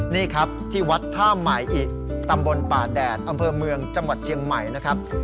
นี่ครับที่วัดท่าใหม่อิตำบลป่าแดดอำเภอเมืองจังหวัดเชียงใหม่นะครับ